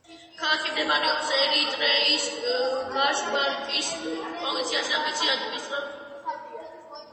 ქალაქი მდებარეობს ერიტრეის გაშ-ბარკის პროვინციაში და მისი ადმინისტრაციული ცენტრია.